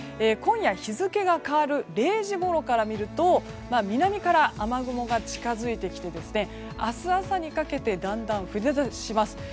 今夜、日付が変わる０時ごろから見ると南から雨雲が近づいてきて明日朝にかけてだんだん降り出します。